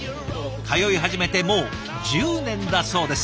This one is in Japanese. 通い始めてもう１０年だそうです。